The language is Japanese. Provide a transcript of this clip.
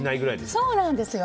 そうなんですよ。